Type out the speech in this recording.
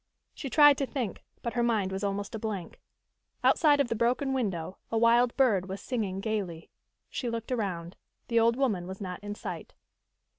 She tried to think, but her mind was almost a blank. Outside of the broken window a wild bird was singing gayly. She looked around. The old woman was not in sight.